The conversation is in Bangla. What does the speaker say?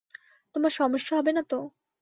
তোমার সমস্যা হবে না তো?